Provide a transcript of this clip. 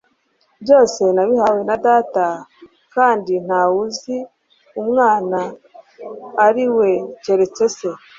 Byose nabihawe na Data kandi ntawe uzi Ummana tlwo ari we keretse Se